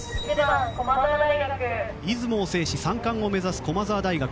出雲を制し３冠を目指す駒澤大学。